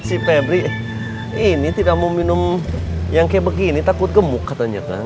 si pebri ini tidak mau minum yang kayak begini takut gemuk katanya